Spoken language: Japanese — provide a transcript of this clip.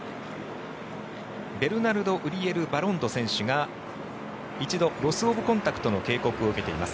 ベルナルド・ウリエル・バロンド選手が１度、ロス・オブ・コンタクトの警告を受けています。